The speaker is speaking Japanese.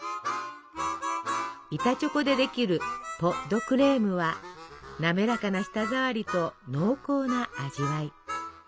板チョコでできるポ・ド・クレームは滑らかな舌ざわりと濃厚な味わい。